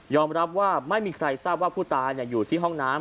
รับว่าไม่มีใครทราบว่าผู้ตายอยู่ที่ห้องน้ำ